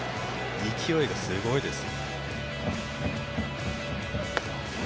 勢いがすごいです。